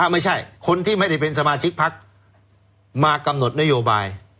ไม่ใช่คนที่ไม่ได้เป็นสมาชิกพักมากำหนดนโยบาย